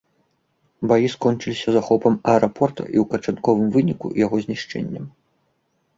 Баі скончыліся захопам аэрапорта і ў канчатковым выніку яго знішчэннем.